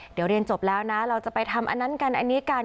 เดี๋ยวเรียนจบแล้วนะเราจะไปทำอันนั้นกันอันนี้กัน